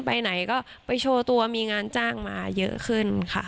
ไปไหนก็ไปโชว์ตัวมีงานจ้างมาเยอะขึ้นค่ะ